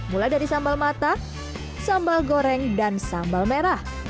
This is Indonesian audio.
mulai dari sambal mata sambal goreng dan sambal merah